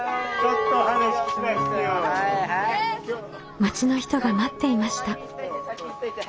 町の人が待っていました。